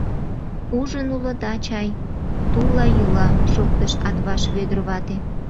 Ужын улыда чай, тулла йӱла, — шоктыш Атбаш Вӧдыр вате.